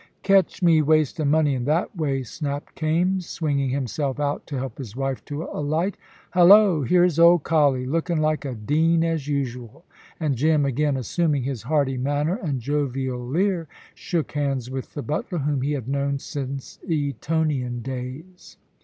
"Catch me wastin' money in that way," snapped Kaimes, swinging himself out to help his wife to alight. "Halloa, here's old Colley, lookin' like a dean as usual"; and Jim, again assuming his hearty manner and jovial leer, shook hands with the butler, whom he had known since Etonian days.